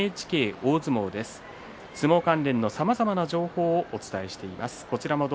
相撲関連のさまざまな情報をお伝えしています。